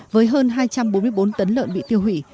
với hơn hai trăm bốn mươi bốn tấn lợn bị tiêu hủy